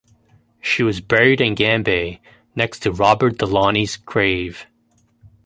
She was buried in Gambais, next to Robert Delaunay's grave.